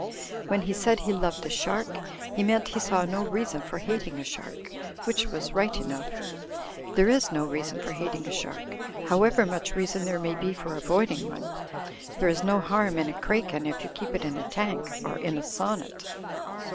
When he said he loved a shark, he meant he saw no reason for hating a shark, which was right enough. There is no reason for hating a shark, however much reason there may be for avoiding one. There is no harm in a craken if you keep it in a tank — or in a sonnet.